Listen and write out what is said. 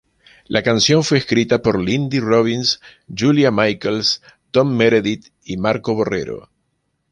La canción fue escrita por Lindy Robbins, Julia Michaels, Tom Meredith, y Marco Borrero.